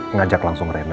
ngajak langsung rena